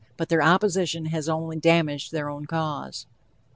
But their opposition has only damaged their own cause.